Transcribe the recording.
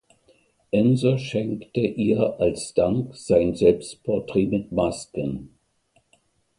Ensor schenkte ihr als Dank sein "Selbstporträt mit Masken".